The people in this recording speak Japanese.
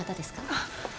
あっ。